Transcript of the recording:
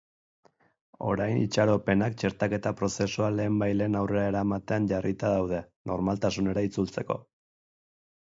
Orain itxaropenak txertaketa prozesua lehenbailehen aurrera eramatean jarrita daude, normaltasunera itzultzeko.